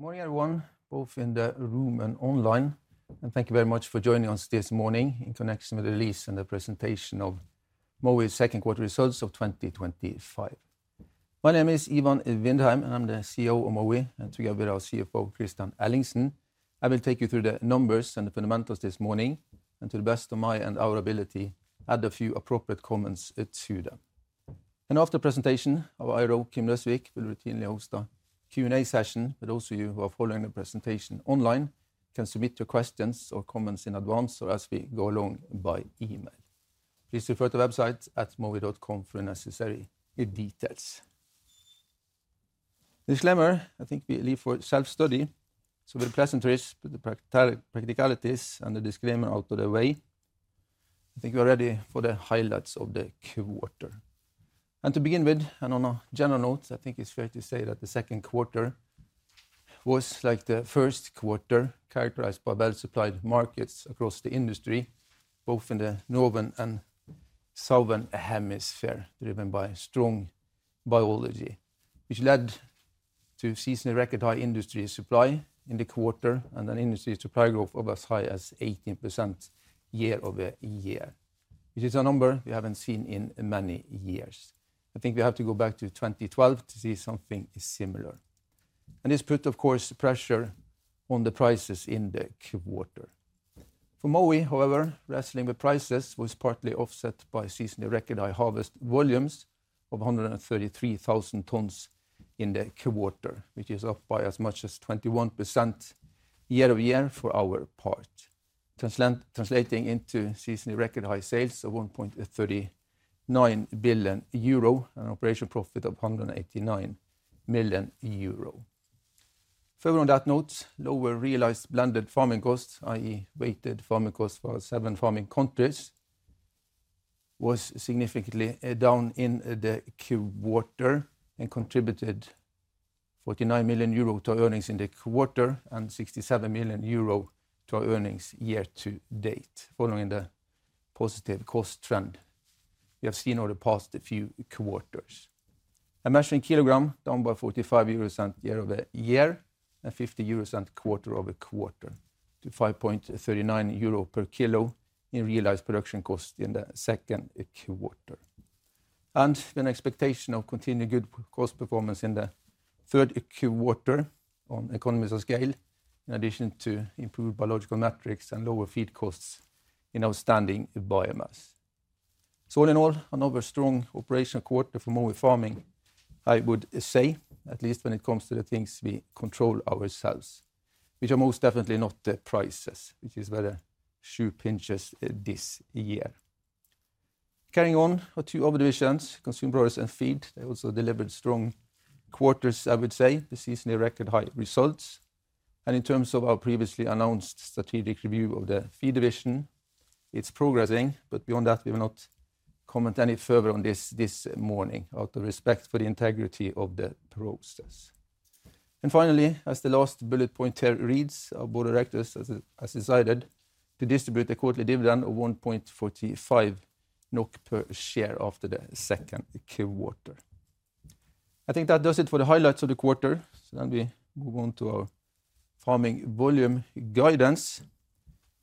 Good morning, everyone. Hope you're in the room and online. Thank you very much for joining us this morning in connection with the release and the presentation of Mowi's second quarter results of 2025. My name is Ivan Vindheim, and I'm the CEO of Mowi, and together with our CFO, Kristian Ellingsen, I will take you through the numbers and the fundamentals this morning. To the best of my and our ability, add a few appropriate comments to them. After the presentation, our IRO, Kim Døsvig, will routinely host a Q&A session. Those of you who are following the presentation online can submit your questions or comments in advance or as we go along by email. Please refer to the website at mowi.com for the necessary details. Disclaimer, I think we leave for self-study. With the presentaries, the practicalities, and the disclaimer out of the way, I think we are ready for the highlights of the quarter. To begin with, and on a general note, I think it's fair to say that the second quarter was like the first quarter, characterized by well-supplied markets across the industry, both in the northern and southern hemisphere, driven by strong biology, which led to seasonally record-high industry supply in the quarter and an industry supply growth of as high as 18% year-over-year, which is a number we haven't seen in many years. I think we have to go back to 2012 to see something similar. This put, of course, pressure on the prices in the quarter. For Mowi, however, wrestling with prices was partly offset by seasonally record-high harvest volumes of 133,000 tons in the quarter, which is up by as much as 21% year-over-year for our part, translating into seasonally record-high sales of 1.39 billion euro and operational profit of 189 million euro. Further on that note, lower realized blended farming costs, i.e., weighted farming costs for seven farming countries, was significantly down in the quarter and contributed 49 million euro to earnings in the quarter and 67 million euro to earnings year to date, following the positive cost trend we have seen over the past few quarters. A measuring kilogram down by 0.45 euros year-over-year and 0.50 euros quarter over quarter to 5.39 euro per kilo in realized production costs in the second quarter, and an expectation of continued good cost performance in the third quarter on economies of scale, in addition to improved biological metrics and lower feed costs in outstanding biomass. All in all, another strong operational quarter for Mowi Farming, I would say, at least when it comes to the things we control ourselves, which are most definitely not the prices, which is where the shoe pinches this year. Carrying on, our two other divisions, Consumer Products and Feed, also delivered strong quarters, I would say, with seasonally record-high results. In terms of our previously announced strategic review of the Feed Division, it's progressing, but beyond that, we will not comment any further on this this morning, out of respect for the integrity of the roasters. Finally, as the last bullet point here reads, our board of directors has decided to distribute a quarterly dividend of 1.45 NOK per share after the second quarter. I think that does it for the highlights of the quarter. We move on to our farming volume guidance,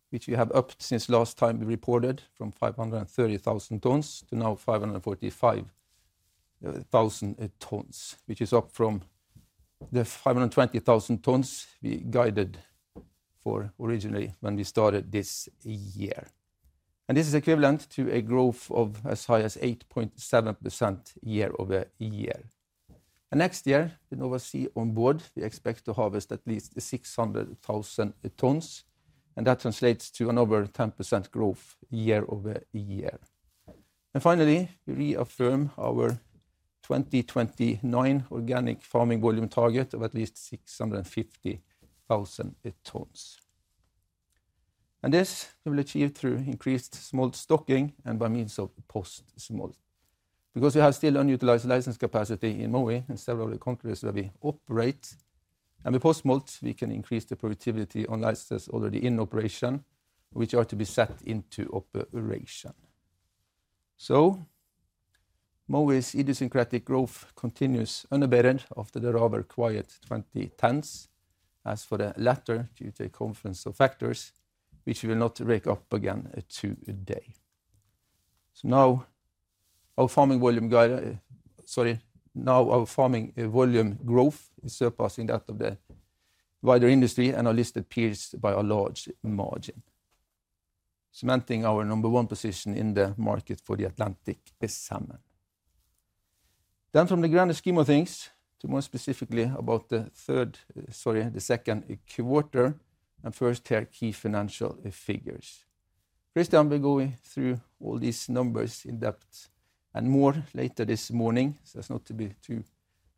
which we have upped since last time we reported from 530,000 tons to now 545,000 tons, which is up from the 520,000 tons we guided for originally when we started this year. This is equivalent to a growth of as high as 8.7% year-over-year. Next year, with Nova Sea on board, we expect to harvest at least 600,000 tons, and that translates to another 10% growth year-over-year. We reaffirm our 2029 organic farming volume target of at least 650,000 tons. This we will achieve through increased smolt stocking and by means of post-smolt. We have still unutilized license capacity in Mowi and several of the countries where we operate, and with post-smolt, we can increase the productivity on licenses already in operation, which are to be set into operation. Mowi's idiosyncratic growth continues unabated after the rather quiet 2010s, as for the latter due to a confluence of factors, which we will not wake up again today. Our farming volume growth is surpassing that of the wider industry and our listed peers by a large margin, cementing our number one position in the market for Atlantic salmon. From the grand scheme of things, to more specifically about the second quarter and first-tier key financial figures. Kristian, we're going through all these numbers in depth and more later this morning, so as not to be too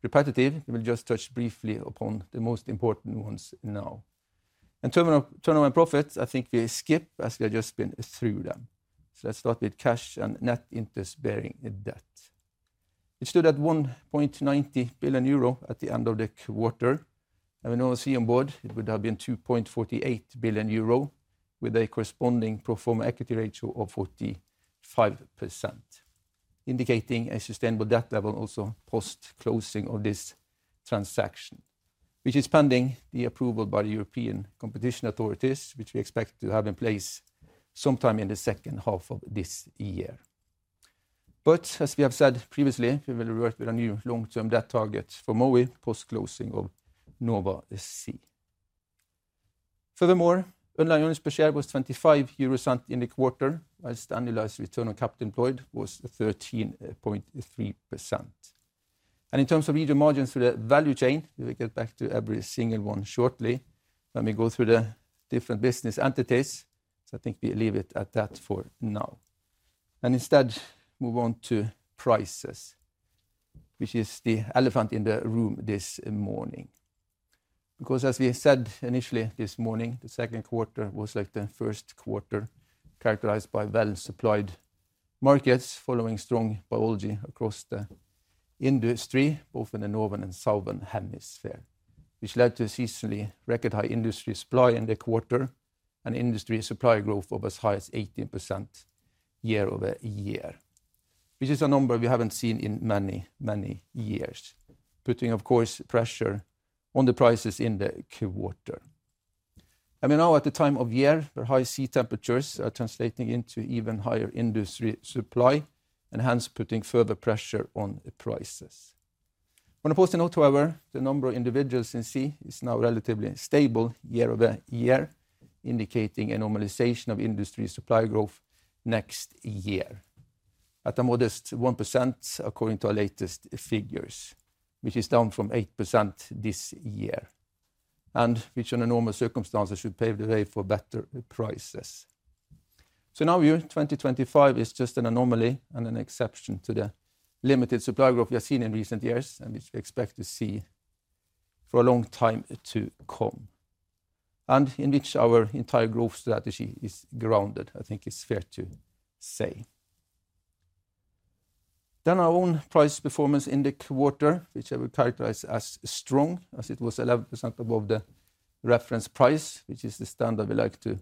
repetitive, we will just touch briefly upon the most important ones now. Turnaround profits, I think we skip as we have just been through them. Let's start with cash and net interest-bearing debt. It stood at 1.90 billion euro at the end of the quarter, and with Nova Sea on board, it would have been 2.48 billion euro, with a corresponding pro forma equity ratio of 45%, indicating a sustainable debt level also post-closing of this transaction, which is pending the approval by the European competition authorities, which we expect to have in place sometime in the second half of this year. As we have said previously, we will revert with a new long-term debt target for Mowi post-closing of Nova Sea. Furthermore, underlying earnings per share was 0.25 euros in the quarter, whilst the annualized return on capital employed was 13.3%. In terms of EV margins for the value chain, we will get back to every single one shortly. Let me go through the different business entities. I think we leave it at that for now and instead move on to prices, which is the elephant in the room this morning. As we said initially this morning, the second quarter was like the first quarter, characterized by well-supplied markets following strong biology across the industry, both in the northern and southern hemisphere, which led to a seasonally record-high industry supply in the quarter and industry supply growth of as high as 18% year-over-year, which is a number we haven't seen in many, many years, putting, of course, pressure on the prices in the quarter. We're now at the time of year where high sea temperatures are translating into even higher industry supply and hence putting further pressure on prices. On a positive note, however, the number of individuals in sea is now relatively stable year-over-year, indicating a normalization of industry supply growth next year at a modest 1% according to our latest figures, which is down from 8% this year, and which under normal circumstances should pave the way for better prices. In our view, 2025 is just an anomaly and an exception to the limited supply growth we have seen in recent years and which we expect to see for a long time to come, and in which our entire growth strategy is grounded, I think it's fair to say. Our own price performance in the quarter, which I would characterize as strong, as it was 11% above the reference price, which is the standard we like to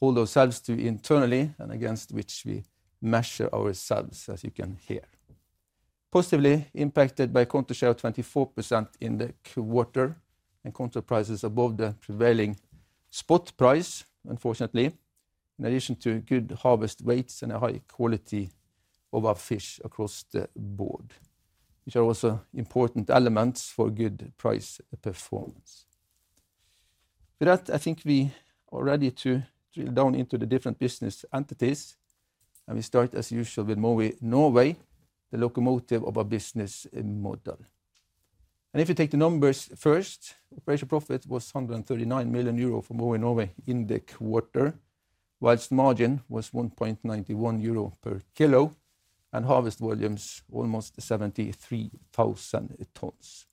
hold ourselves to internally and against which we measure ourselves, as you can hear. Positively impacted by counter share of 24% in the quarter and counter prices above the prevailing spot price, unfortunately, in addition to good harvest weights and a high quality of our fish across the board, which are also important elements for good price performance. With that, I think we are ready to drill down into the different business entities. We start, as usual, with Mowi Norway, the locomotive of our business model. If you take the numbers first, operational profit was 139 million euro for Mowi Norway in the quarter, whilst margin was 1.91 euro per kilo and harvest volumes almost 73,000 tons.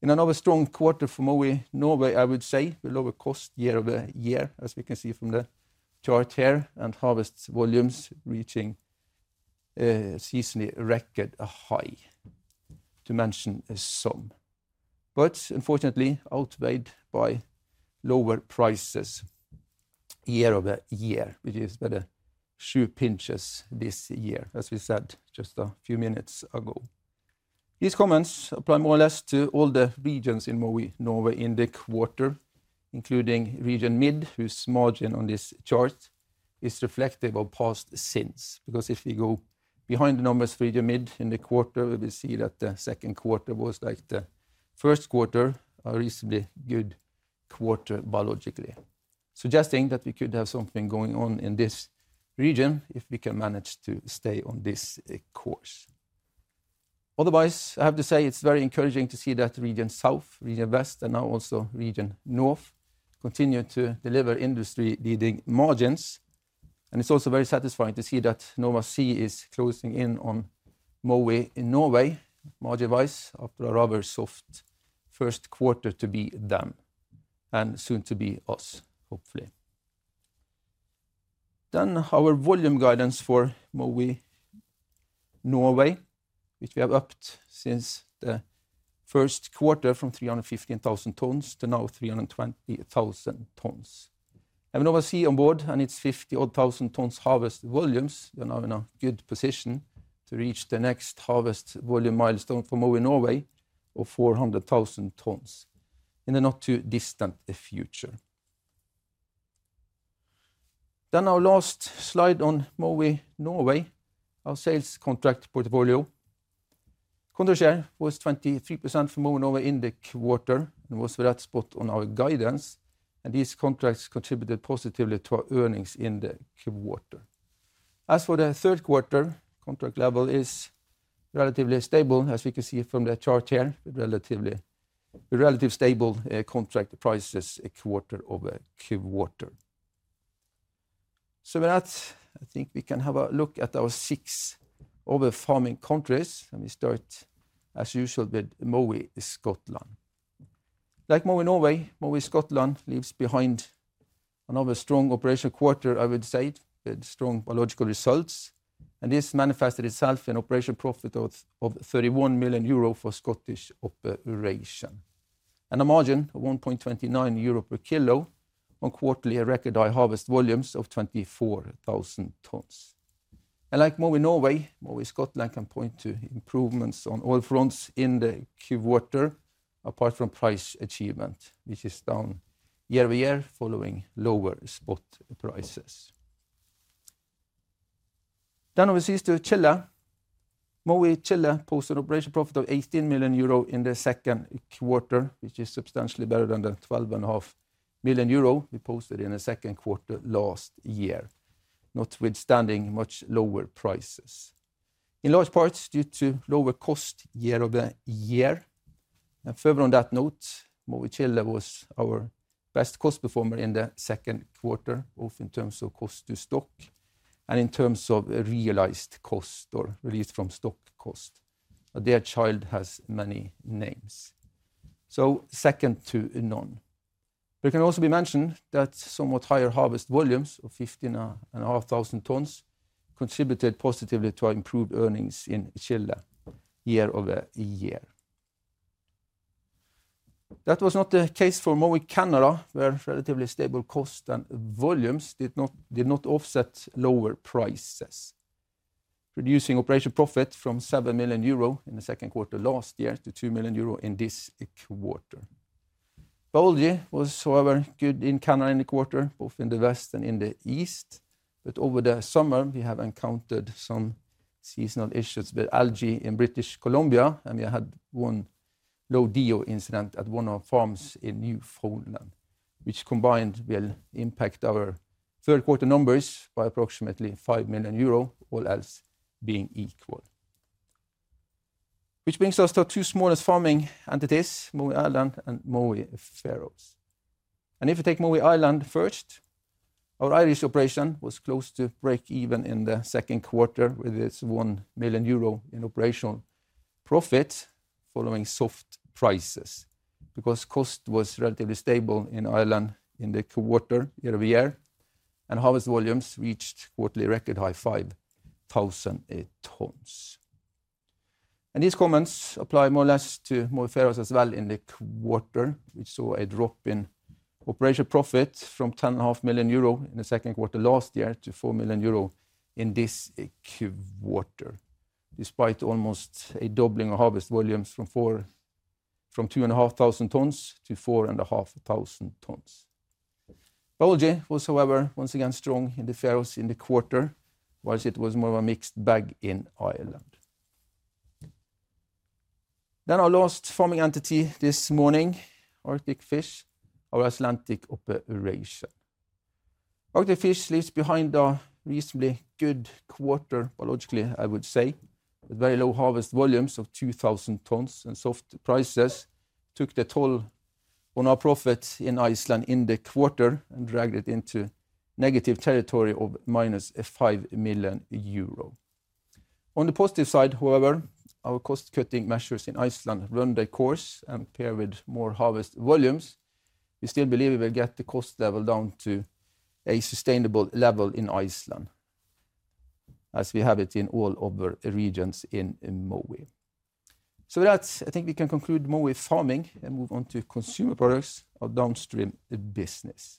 In another strong quarter for Mowi Norway, I would say, with lower cost year-over-year, as we can see from the chart here, and harvest volumes reaching a seasonally record-high, to mention some. Unfortunately, outweighed by lower prices year-over-year, which is where the shoe pinches this year, as we said just a few minutes ago. These comments apply more or less to all the regions in Mowi Norway in the quarter, including Region Mid, whose margin on this chart is reflective of past sins. If we go behind the numbers for Region Mid in the quarter, we will see that the second quarter was like the first quarter, a reasonably good quarter biologically, suggesting that we could have something going on in this region if we can manage to stay on this course. Otherwise, I have to say it's very encouraging to see that Region South, Region West, and now also Region North continue to deliver industry-leading margins. It's also very satisfying to see that Nova Sea is closing in on Mowi Norway, margin-wise, after a rather soft first quarter to be them, and soon to be us, hopefully. Our volume guidance for Mowi Norway, which we have upped since the first quarter from 315,000 tons to now 320,000 tons. With Nova Sea on board and its 50-odd thousand tons harvest volumes, we are now in a good position to reach the next harvest volume milestone for Mowi Norway of 400,000 tons in the not-too-distant future. Our last slide on Mowi Norway, our sales contract portfolio. Counter share was 23% for Mowi Norway in the quarter and was the red spot on our guidance. These contracts contributed positively to our earnings in the quarter. As for the third quarter, contract level is relatively stable, as you can see from the chart here, with relatively stable contract prices quarter over quarter. With that, I think we can have a look at our six other farming countries. We start, as usual, with Mowi Scotland. Like Mowi Norway, Mowi Scotland leaves behind another strong operational quarter, I would say, with strong biological results. This manifested itself in operational profit of 31 million euro for Scottish operation and a margin of 1.29 euro per kilo on quarterly record-high harvest volumes of 24,000 tons. Like Mowi Norway, Mowi Scotland can point to improvements on all fronts in the quarter, apart from price achievement, which is down year-over-year following lower spot prices. Overseas to Chile, Mowi Chile posted operational profit of 18 million euro in the second quarter, which is substantially better than the 12.5 million euro we posted in the second quarter last year, notwithstanding much lower prices, in large parts due to lower cost year-over-year. Further on that note, Mowi Chile was our best cost performer in the second quarter, both in terms of cost to stock and in terms of realized cost or relief from stock cost. Their child has many names. Second to none. It can also be mentioned that somewhat higher harvest volumes of 15,500 tons contributed positively to our improved earnings in Chile year-over-year. That was not the case for Mowi Canada, where relatively stable costs and volumes did not offset lower prices, reducing operational profit from 7 million euro in the second quarter last year to 2 million euro in this quarter. Biology was, however, good in Canada in the quarter, both in the west and in the east. Over the summer, we have encountered some seasonal issues with algae in British Columbia, and we had one low DO incident at one of our farms in Newfoundland, which combined will impact our third quarter numbers by approximately 5 million euro, all else being equal. This brings us to our two smallest farming entities, Mowi Island and Mowi Faroes. If we take Mowi Island first, our Irish operation was close to break even in the second quarter with its 1 million euro in operational profit following soft prices because cost was relatively stable in Ireland in the quarter year-over-year, and harvest volumes reached quarterly record-high 5,000 tons. These comments apply more or less to Mowi Faroes as well in the quarter, which saw a drop in operational profit from 10.5 million euro in the second quarter last year to 4 million euro in this quarter, despite almost a doubling of harvest volumes from 2,500 tons - 4,500 tons. Biology was, however, once again strong in the Faroes in the quarter, whilst it was more of a mixed bag in Ireland. Our last farming entity this morning, Arctic Fish, our Atlantic operation. Arctic Fish leaves behind a reasonably good quarter, biologically, I would say, with very low harvest volumes of 2,000 tons and soft prices, took the toll on our profit in Iceland in the quarter and dragged it into negative territory of -5 million euro. On the positive side, however, our cost-cutting measures in Iceland run the course and pair with more harvest volumes, we still believe we will get the cost level down to a sustainable level in Iceland, as we have it in all other regions in Mowi. We can conclude Mowi farming and move on to Consumer Products, our downstream business.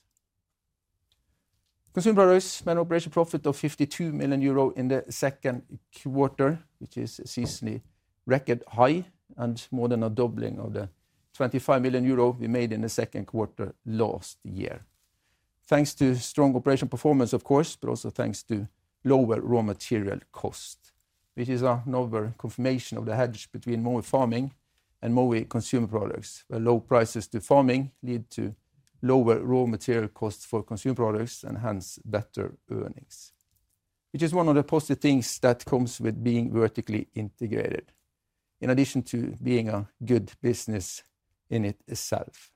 Consumer Products made an operational profit of 52 million euro in the second quarter, which is seasonally record-high and more than a doubling of the 25 million euro we made in the second quarter last year, thanks to strong operational performance, of course, but also thanks to lower raw material costs, which is another confirmation of the hedge between Mowi Farming and Mowi Consumer Products, where low prices to farming lead to lower raw material costs for consumer products and hence better earnings, which is one of the positive things that comes with being vertically integrated, in addition to being a good business in itself.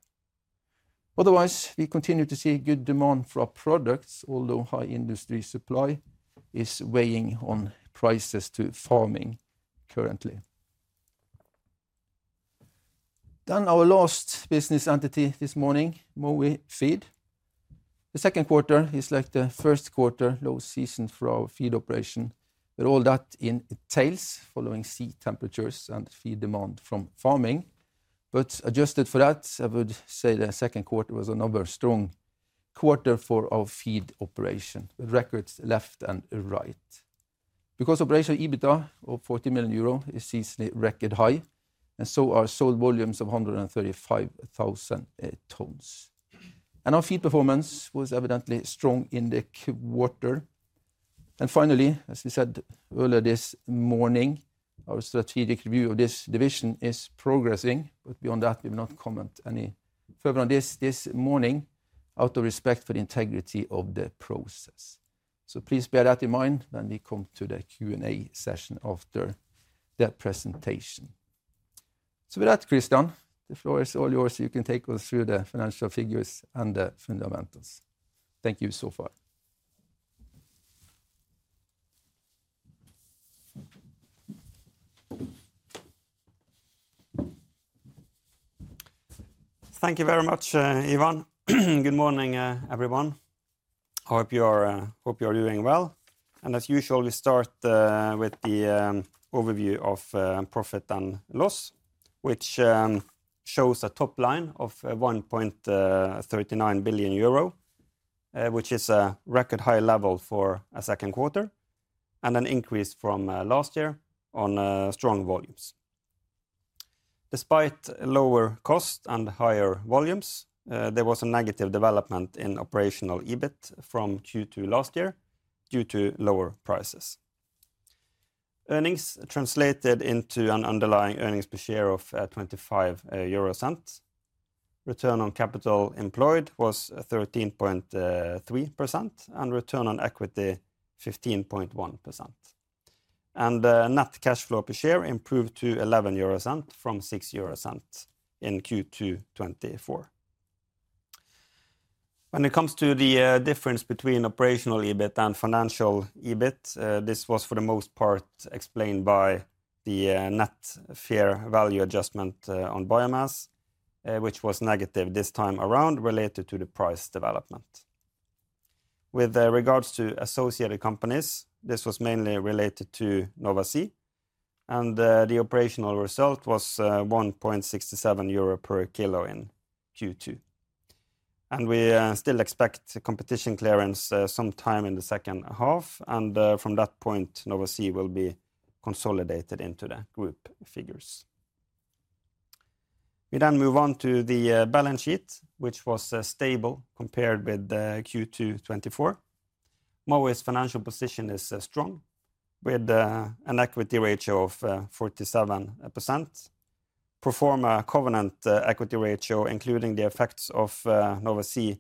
Otherwise, we continue to see good demand for our products, although high industry supply is weighing on prices to farming currently. Our last business entity this morning, Mowi Feed. The second quarter is like the first quarter, low season for our feed operation, with all that entails following sea temperatures and feed demand from farming. Adjusted for that, I would say the second quarter was another strong quarter for our feed operation with records left and right. Operational EBITDA of 40 million euro is seasonally record-high, and so are sold volumes of 135,000 tons. Our feed performance was evidently strong in the quarter. Finally, as we said earlier this morning, our strategic review of this division is progressing, but beyond that, we will not comment any further on this this morning, out of respect for the integrity of the process. Please bear that in mind when we come to the Q&A session after the presentation. With that, Kristian, the floor is all yours. You can take us through the financial figures and the fundamentals. Thank you so far. Thank you very much, Ivan. Good morning, everyone. Hope you're doing well. As usual, we start with the overview of profit and loss, which shows a top line of 1.39 billion euro, which is a record high level for a second quarter, and an increase from last year on strong volumes. Despite lower cost and higher volumes, there was a negative development in operational EBIT from Q2 last year due to lower prices. Earnings translated into an underlying earnings per share of 0.25. Return on capital employed was 13.3% and return on equity 15.1%. Net cash flow per share improved to 0.11 from 0.06 in Q2 2024. When it comes to the difference between operational EBIT and financial EBIT, this was for the most part explained by the net fair value adjustment on biomass, which was negative this time around related to the price development. With regards to associated companies, this was mainly related to Nova Sea, and the operational result was 1.67 euro per kilo in Q2. We still expect competition clearance sometime in the second half, and from that point, Nova Sea will be consolidated into the group figures. We then move on to the balance sheet, which was stable compared with Q2 2024. Mowi's financial position is strong, with an equity ratio of 47%. Pro forma covenant equity ratio, including the effects of the Nova Sea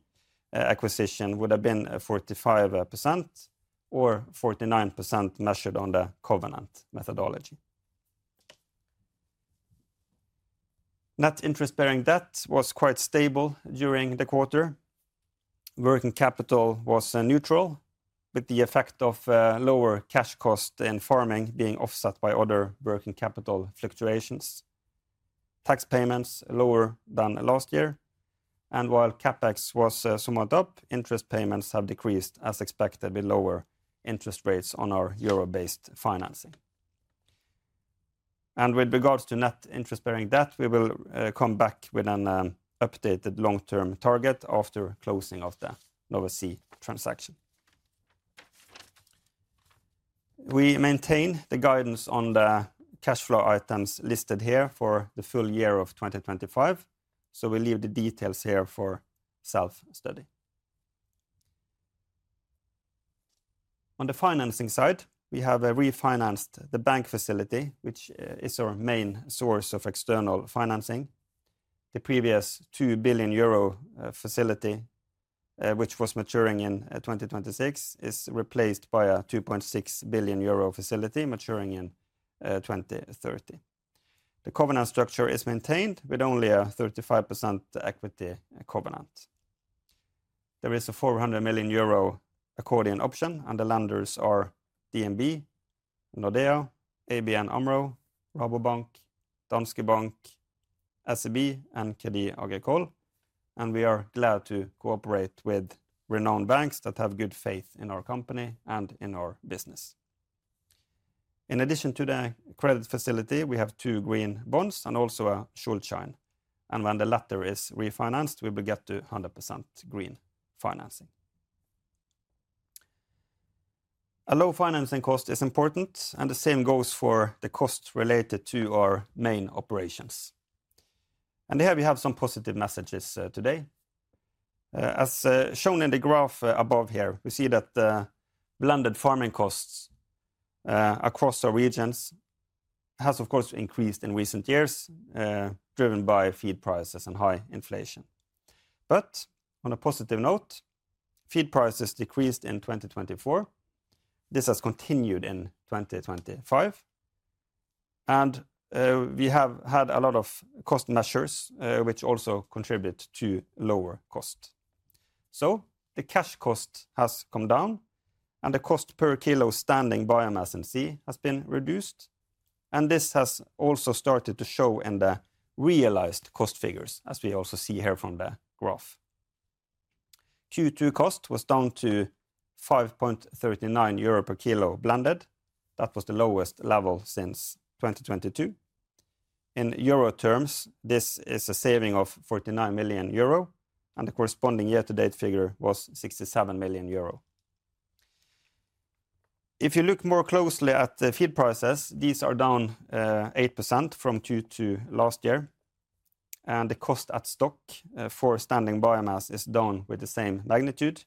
acquisition, would have been 45% or 49% measured on the covenant methodology. Net interest-bearing debt was quite stable during the quarter. Working capital was neutral, with the effect of lower cash cost in farming being offset by other working capital fluctuations. Tax payments are lower than last year, and while CapEx was somewhat up, interest payments have decreased as expected with lower interest rates on our euro-based financing. With regards to net interest-bearing debt, we will come back with an updated long-term target after closing of the Nova Sea transaction. We maintain the guidance on the cash flow items listed here for the full year of 2025. We leave the details here for self-study. On the financing side, we have refinanced the bank facility, which is our main source of external financing. The previous 2 billion euro facility, which was maturing in 2026, is replaced by a 2.6 billion euro facility maturing in 2030. The covenant structure is maintained with only a 35% equity covenant. There is a 400 million euro accordion option, and the lenders are DNB, Nordea, ABN Amro, Rabobank, Danske Bank, SEB, and Credit Agricole. We are glad to cooperate with renowned banks that have good faith in our company and in our business. In addition to the credit facility, we have two green bonds and also a short shine. When the latter is refinanced, we will get to 100% green financing. A low financing cost is important, and the same goes for the costs related to our main operations. Here we have some positive messages today. As shown in the graph above here, we see that the blended farming costs across our regions have, of course, increased in recent years, driven by feed prices and high inflation. On a positive note, feed prices decreased in 2024. This has continued in 2025. We have had a lot of cost measures which also contributed to lower costs. The cash cost has come down, and the cost per kilo standing biomass in sea has been reduced. This has also started to show in the realized cost figures, as we also see here from the graph. Q2 cost was down to 5.39 euro per kilo blended. That was the lowest level since 2022. In euro terms, this is a saving of 49 million euro, and the corresponding year-to-date figure was 67 million euro. If you look more closely at the feed prices, these are down 8% from Q2 last year. The cost at stock for standing biomass is down with the same magnitude.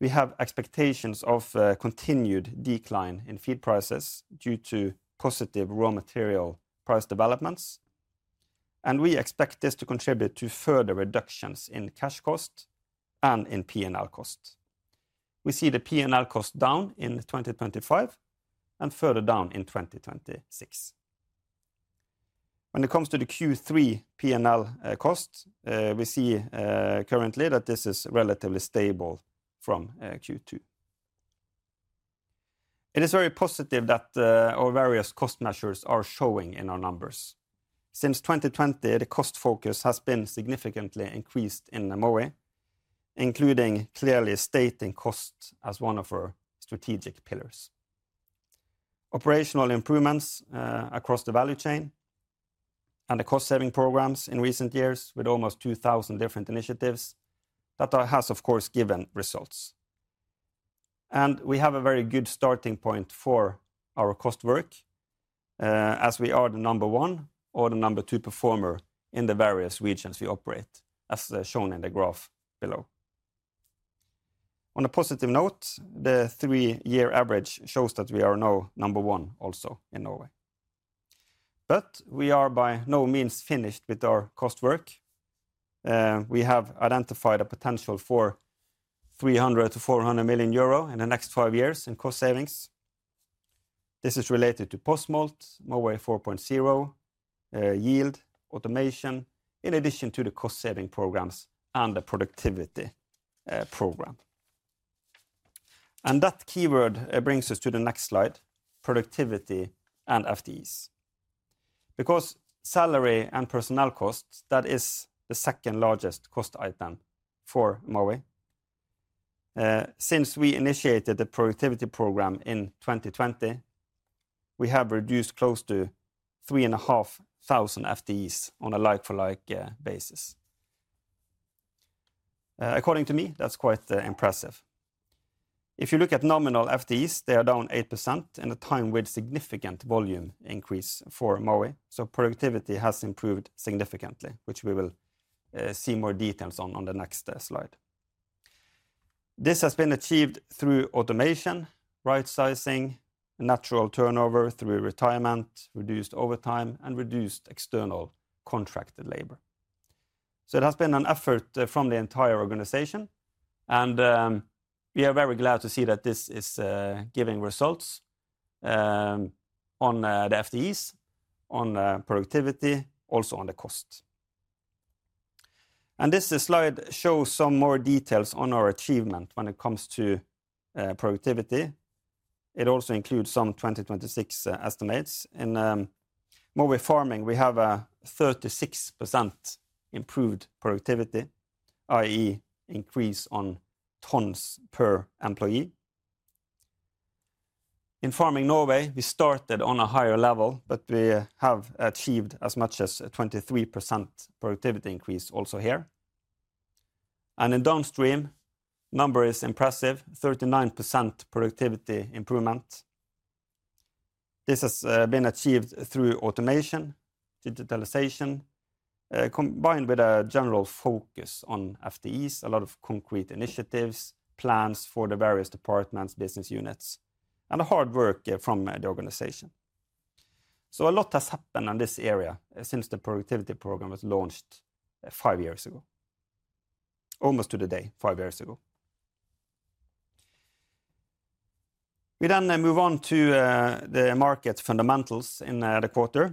We have expectations of continued decline in feed prices due to positive raw material price developments. We expect this to contribute to further reductions in cash cost and in P&L cost. We see the P&L cost down in 2025 and further down in 2026. When it comes to the Q3 P&L cost, we see currently that this is relatively stable from Q2. It is very positive that our various cost measures are showing in our numbers. Since 2020, the cost focus has been significantly increased in Mowi, including clearly stating cost as one of our strategic pillars. Operational improvements across the value chain and the cost-saving programs in recent years, with almost 2,000 different initiatives, that has, of course, given results. We have a very good starting point for our cost work, as we are the number one or the number two performer in the various regions we operate, as shown in the graph below. On a positive note, the three-year average shows that we are now number one also in Norway. We are by no means finished with our cost work. We have identified a potential for 300 million - 400 million euro in the next five years in cost savings. This is related to post-smolt, Mowi 4.0, yield, automation, in addition to the cost-saving programs and the productivity program. That keyword brings us to the next slide, productivity and FTEs. Salary and personnel costs, that is the second largest cost item for Mowi. Since we initiated the productivity program in 2020, we have reduced close to 3,500 FTEs on a like-for-like basis. According to me, that's quite impressive. If you look at nominal FTEs, they are down 8% in a time with significant volume increase for Mowi. Productivity has improved significantly, which we will see more details on on the next slide. This has been achieved through automation, right-sizing, natural turnover through retirement, reduced overtime, and reduced external contracted labor. It has been an effort from the entire organization. We are very glad to see that this is giving results on the FTEs, on productivity, also on the costs. This slide shows some more details on our achievement when it comes to productivity. It also includes some 2026 estimates. In Mowi Farming, we have a 36% improved productivity, i.e., increase on tons per employee. In Farming Norway, we started on a higher level, but we have achieved as much as a 23% productivity increase also here. In downstream, the number is impressive, 39% productivity improvement. This has been achieved through automation, digitalization, combined with a general focus on FTEs, a lot of concrete initiatives, plans for the various departments, business units, and the hard work from the organization. A lot has happened in this area since the productivity program was launched five years ago, almost to the day five years ago. We then move on to the market fundamentals in the quarter.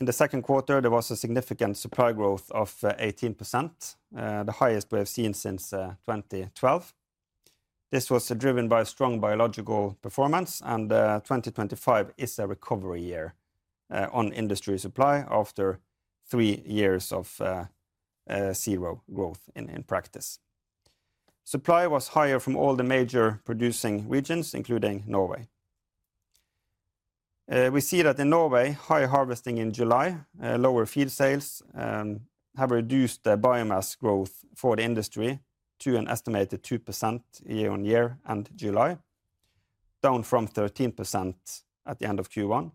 In the second quarter, there was a significant supply growth of 18%, the highest we have seen since 2012. This was driven by strong biological performance, and 2025 is a recovery year on industry supply after three years of zero growth in practice. Supply was higher from all the major producing regions, including Norway. We see that in Norway, high harvesting in July, lower feed sales, have reduced the biomass growth for the industry to an estimated 2% year on year in July, down from 13% at the end of Q1.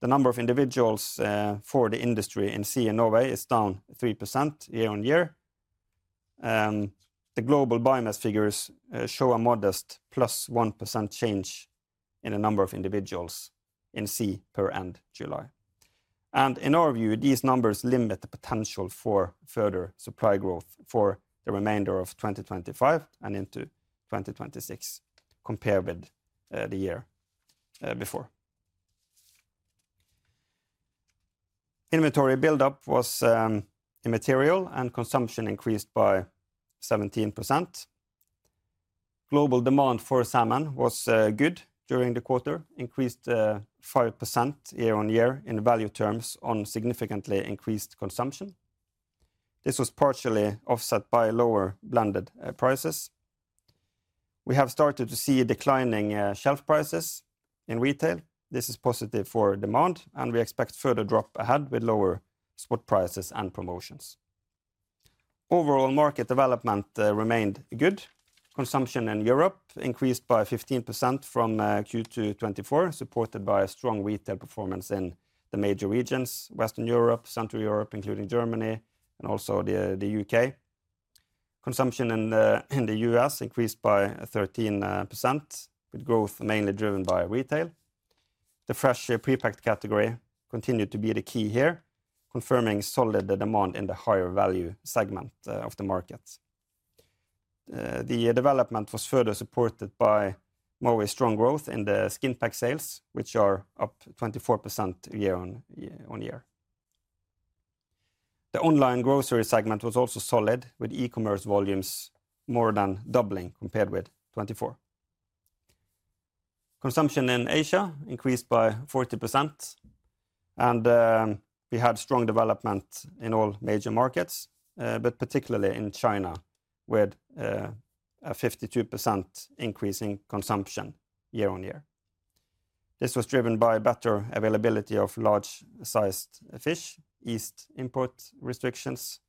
The number of individuals for the industry in sea in Norway is down 3% year on year. The global biomass figures show a modest plus 1% change in the number of individuals in sea per end July. In our view, these numbers limit the potential for further supply growth for the remainder of 2025 and into 2026, compared with the year before. Inventory buildup was immaterial and consumption increased by 17%. Global demand for salmon was good during the quarter, increased 5% year on year in value terms on significantly increased consumption. This was partially offset by lower blended prices. We have started to see declining shelf prices in retail. This is positive for demand, and we expect further drop ahead with lower spot prices and promotions. Overall, market development remained good. Consumption in Europe increased by 15% from Q2 2024, supported by strong retail performance in the major regions, Western Europe, Central Europe, including Germany, and also the U.K.. Consumption in the U.S. increased by 13%, with growth mainly driven by retail. The fresh prepacked category continued to be the key here, confirming solid demand in the higher value segment of the market. The development was further supported by Mowi's strong growth in the skin pack sales, which are up 24% year on year. The online grocery segment was also solid, with e-commerce volumes more than doubling compared with 2024. Consumption in Asia increased by 40%, and we had strong development in all major markets, particularly in China, with a 52% increase in consumption year on year. This was driven by better availability of large-sized fish, eased import restrictions,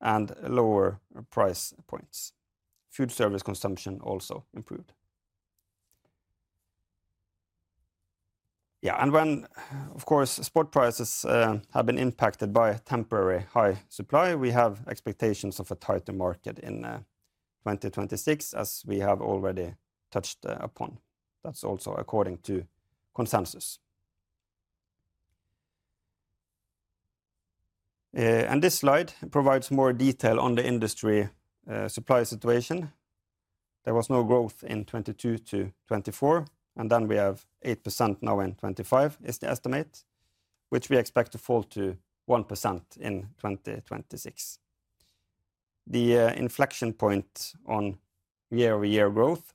and lower price points. Food service consumption also improved. Of course, spot prices have been impacted by a temporary high supply. We have expectations of a tighter market in 2026, as we have already touched upon. That is also according to consensus. This slide provides more detail on the industry supply situation. There was no growth in 2022 to 2024, and then we have 8% now in 2025 is the estimate, which we expect to fall to 1% in 2026. The inflection point on year-over-year growth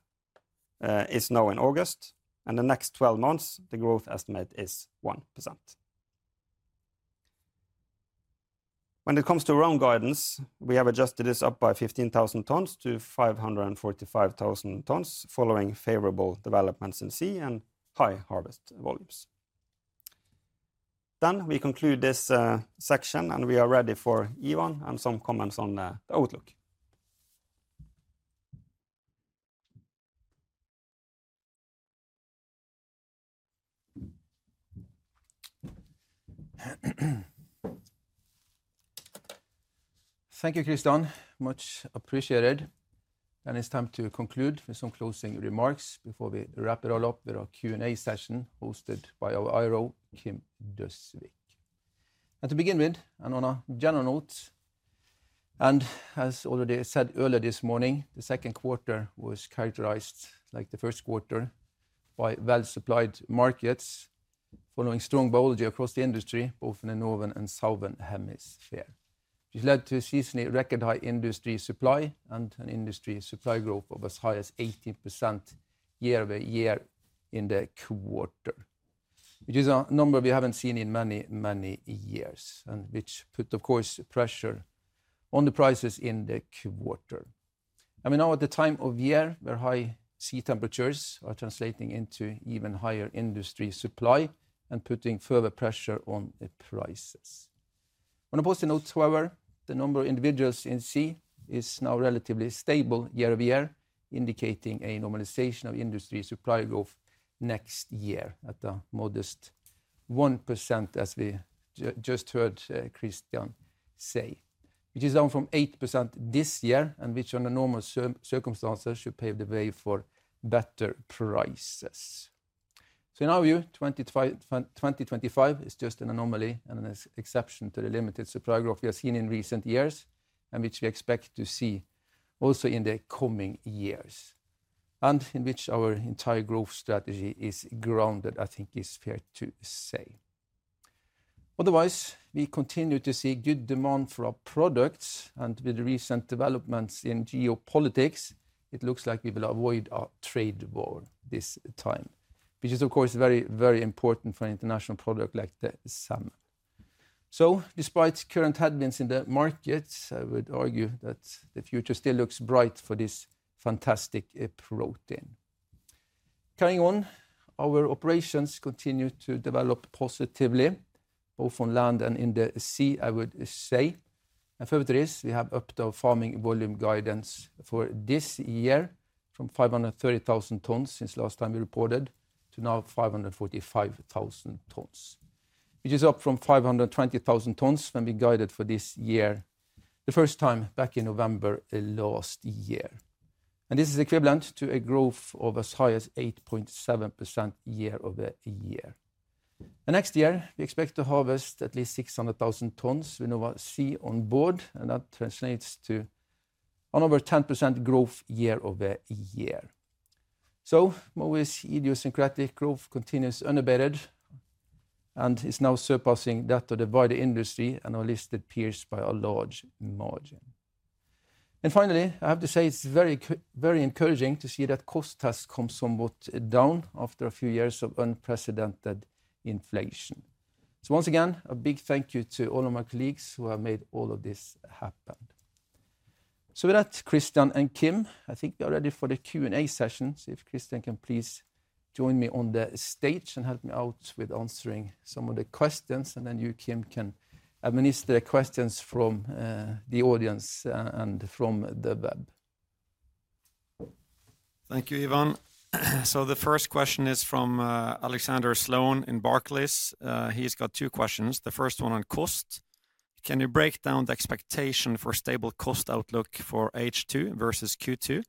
is now in August, and the next 12 months, the growth estimate is 1%. When it comes to roam guidance, we have adjusted this up by 15,000 tons - 545,000 tons, following favorable developments in sea and high harvest volumes. We conclude this section, and we are ready for Ivan and some comments on the outlook. Thank you, Kristian. Much appreciated. It is time to conclude with some closing remarks before we wrap it all up with our Q&A session hosted by our IRO, Kim Døsvig. To begin with, and on a general note, as already said earlier this morning, the second quarter was characterized like the first quarter by well-supplied markets following strong biology across the industry, both in the northern and southern hemisphere, which led to seasonally record-high industry supply and an industry supply growth of as high as 18% year-over-year in the quarter, which is a number we haven't seen in many, many years, and which put, of course, pressure on the prices in the quarter. We are now at the time of year where high sea temperatures are translating into even higher industry supply and putting further pressure on the prices. On a positive note, however, the number of individuals in sea is now relatively stable year-over-year, indicating a normalization of industry supply growth next year at a modest 1%, as we just heard Kristian say, which is down from 8% this year and which under normal circumstances should pave the way for better prices. In our view, 2025 is just an anomaly and an exception to the limited supply growth we have seen in recent years and which we expect to see also in the coming years and in which our entire growth strategy is grounded, I think is fair to say. Otherwise, we continue to see good demand for our products, and with the recent developments in geopolitics, it looks like we will avoid a trade war this time, which is, of course, very, very important for an international product like the salmon. Despite current headwinds in the markets, I would argue that the future still looks bright for this fantastic protein. Carrying on, our operations continue to develop positively, both on land and in the sea, I would say. Further to this, we have upped our farming volume guidance for this year from 530,000 tons since last time we reported to now 545,000 tons, which is up from 520,000 tons when we guided for this year the first time back in November last year. This is equivalent to a growth of as high as 8.7% year-over-year. Next year, we expect to harvest at least 600,000 tons with Nova Sea on board, and that translates to an over 10% growth year-over-year. Mowi's idiosyncratic growth continues unabated and is now surpassing that of the wider industry and our listed peers by a large margin. It is very, very encouraging to see that cost has come somewhat down after a few years of unprecedented inflation. Once again, a big thank you to all of my colleagues who have made all of this happen. With that, Kristian and Kim, I think we are ready for the Q&A session. If Kristian can please join me on the stage and help me out with answering some of the questions, and then you, Kim, can administer the questions from the audience and from the web. Thank you, Ivan. The first question is from Alexander Sloan in Barclays. He's got two questions. The first one on cost. Can you break down the expectation for stable cost outlook for H2 versus Q2?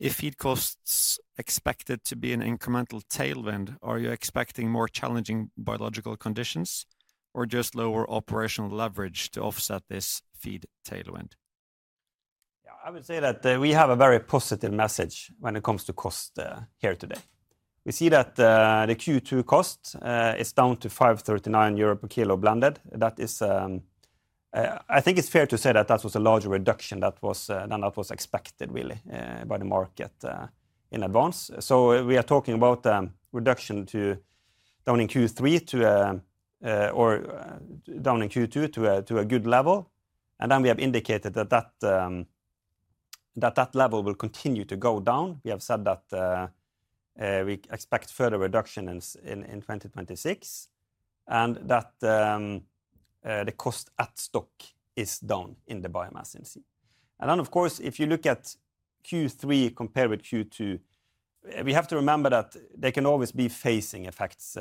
If feed costs are expected to be an incremental tailwind, are you expecting more challenging biological conditions or just lower operational leverage to offset this feed tailwind? Yeah, I would say that we have a very positive message when it comes to cost here today. We see that the Q2 cost is down to 5.39 euro per kilo blended. I think it's fair to say that that was a larger reduction than was expected really by the market in advance. We are talking about a reduction to down in Q3 to a good level. We have indicated that that level will continue to go down. We have said that we expect further reduction in 2026 and that the cost at stock is down in the biomass in sea. Of course, if you look at Q3 compared with Q2, we have to remember that there can always be phasing effects,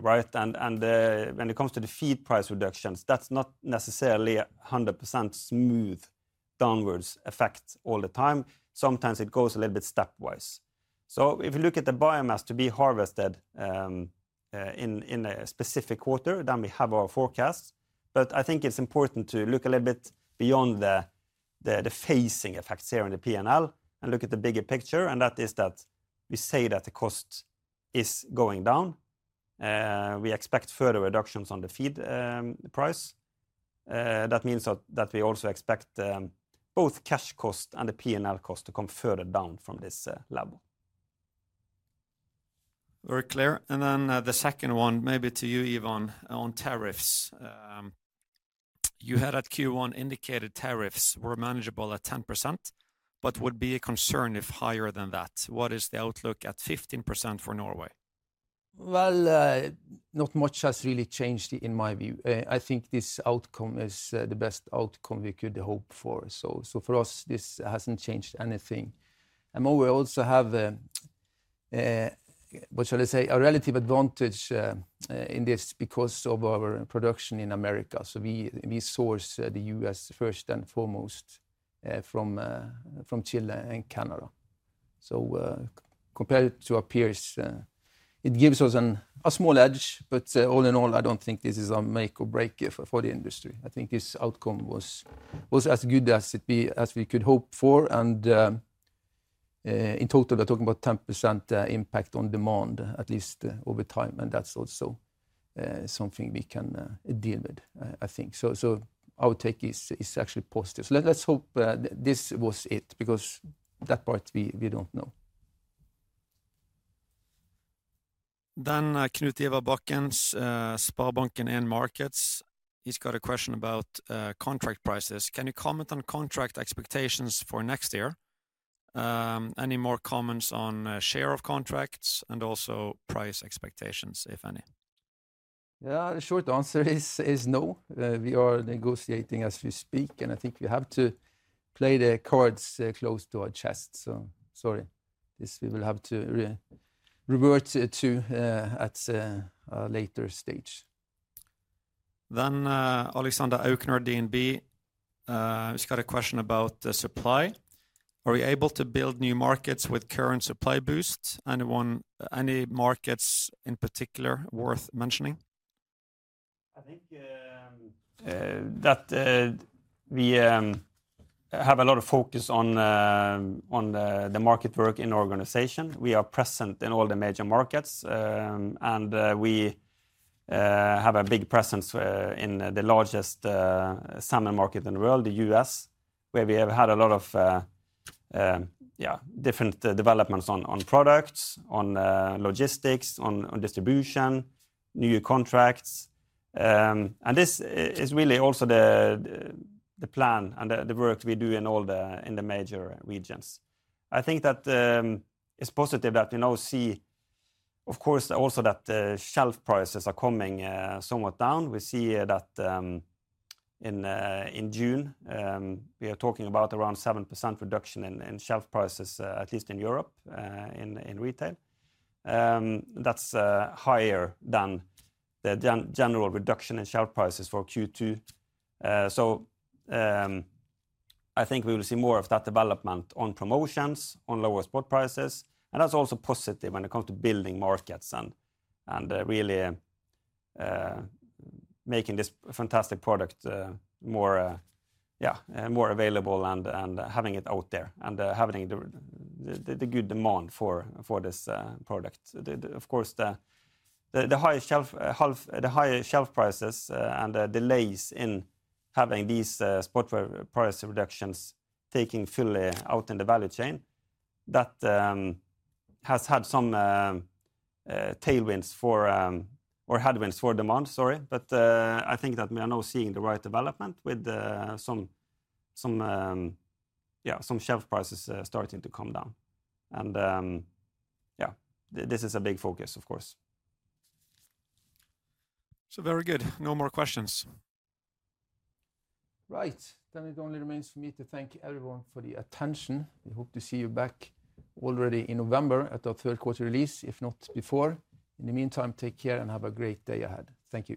right? When it comes to the feed price reductions, that's not necessarily a 100% smooth downwards effect all the time. Sometimes it goes a little bit stepwise. If you look at the biomass to be harvested in a specific quarter, then we have our forecast. I think it's important to look a little bit beyond the phasing effects here in the P&L and look at the bigger picture. That is that we say that the cost is going down. We expect further reductions on the feed price. That means that we also expect both cash cost and the P&L cost to come further down from this level. Very clear. The second one, maybe to you, Ivan, on tariffs. You had at Q1 indicated tariffs were manageable at 10%, but would be a concern if higher than that. What is the outlook at 15% for Norway? Not much has really changed in my view. I think this outcome is the best outcome we could hope for. For us, this hasn't changed anything. We also have, what shall I say, a relative advantage in this because of our production in America. We source the U.S. first and foremost from Chile and Canada. Compared to our peers, it gives us a small edge, but all in all, I don't think this is a make or break for the industry. I think this outcome was as good as we could hope for. In total, we're talking about 10% impact on demand, at least over time. That's also something we can deal with, I think. Our take is actually positive. Let's hope this was it because that part we don't know. Knut Eva Backens, Sparbanken A&M Markets, has a question about contract prices. Can you comment on contract expectations for next year? Any more comments on share of contracts and also price expectations, if any? Yeah, the short answer is no. We are negotiating as we speak, and I think we have to play the cards close to our chest. Sorry, this we will have to revert to at a later stage. Alexander Aukner, DNB, has got a question about supply. Are we able to build new markets with current supply boosts? Any markets in particular worth mentioning? We have a lot of focus on the market work in our organization. We are present in all the major markets, and we have a big presence in the largest salmon market in the world, the U.S., where we have had a lot of different developments on products, on logistics, on distribution, new contracts. This is really also the plan and the work we do in all the major regions. I think that it's positive that we now see, of course, also that shelf prices are coming somewhat down. We see that in June, we are talking about around 7% reduction in shelf prices, at least in Europe, in retail. That's higher than the general reduction in shelf prices for Q2. I think we will see more of that development on promotions, on lower spot prices. That's also positive when it comes to building markets and really making this fantastic product more available and having it out there and having the good demand for this product. Of course, the higher shelf prices and the delays in having these spot price reductions taking fully out in the value chain, that has had some tailwinds for, or headwinds for demand, sorry. I think that we are now seeing the right development with some shelf prices starting to come down. This is a big focus, of course. Very good. No more questions. Right. It only remains for me to thank everyone for the attention. We hope to see you back already in November at our third quarter release, if not before. In the meantime, take care and have a great day ahead. Thank you.